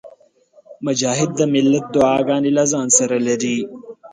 مجاهد د ملت دعاګانې له ځانه سره لري.